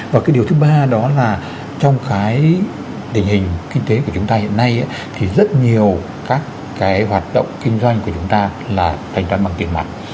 và cái điều thứ ba đó là trong cái tình hình kinh tế của chúng ta hiện nay thì rất nhiều các cái hoạt động kinh doanh của chúng ta là thanh toán bằng tiền mặt